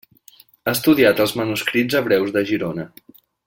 Ha estudiat els manuscrits hebreus de Girona.